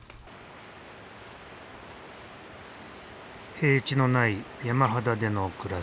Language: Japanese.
平地のない山肌での暮らし。